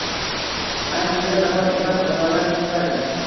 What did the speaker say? Aslida zamon emas, odamlar buziladi.